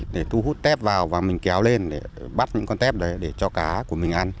để thu hút tép vào và mình kéo lên để bắt những con tép đấy để cho cá của mình ăn